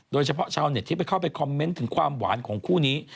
โดยเฉพาะชาวเน็ตที่ไปเข้าไปคอมเมนต์ถึงความหวานของคู่นี้